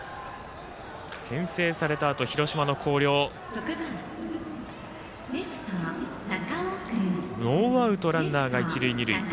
先制されたあと広島の広陵ノーアウト、ランナーが一塁二塁。